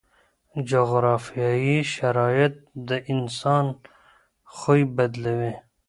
جغرافیایي شرایط د انسان خوی بدلوي.